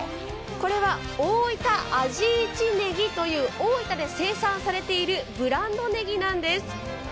これは大分味一ねぎという大分で生産されているブランドねぎなんです。